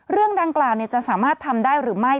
เรื่องดังกล่าวจะสามารถทำได้หรือไม่